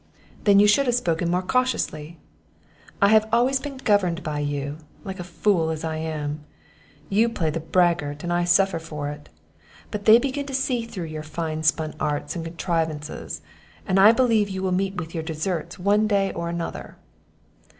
"Then you should have spoken more cautiously. I have always been governed by you, like a fool as I am; you play the braggart, and I suffer for it; But they begin to see through your fine spun arts and contrivances, and I believe you will meet with your deserts one day or other."